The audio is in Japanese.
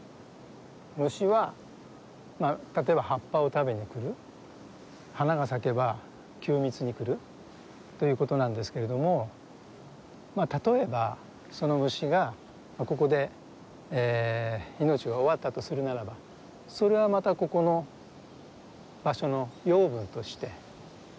虫は例えば葉っぱを食べに来る花が咲けば吸蜜に来るということなんですけれども例えばその虫がここで命が終わったとするならばそれはまたここの場所の養分として土にかえっていくわけですよね。